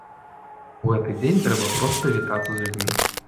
У гэты дзень трэба проста вітацца з людзьмі.